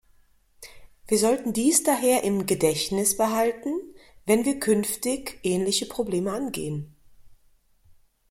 Wir sollten dies daher im Gedächtnis behalten, wenn wir künftig ähnliche Probleme angehen.